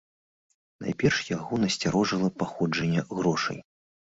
Найперш яго насцярожыла паходжанне грошай.